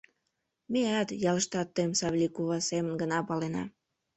— Меат, ялыштат тыйым Савлий кува семын гына палена.